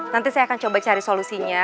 nanti saya akan coba cari solusinya